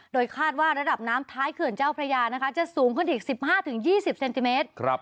โดยคาดว่าระดับน้ำท้ายเขื่อนเจ้าพระยานะคะจะสูงขึ้นถึงสิบห้าถึงยี่สิบเซนติเมตรครับ